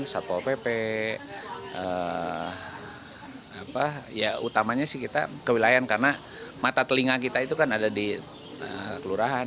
satpo pp apa ya utamanya sih kita kewilayahan karena mata telinga kita itu kan ada di kelurahan